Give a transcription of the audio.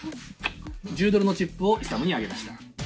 １０ドルのチップをイサムにあげました。